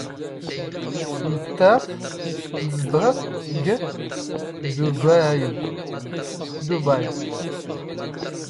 ⵏⵜⵜⴰⵜ ⵜⵣⴷⵖ ⴳ ⴷⵓⴱⴰⵢⵍ.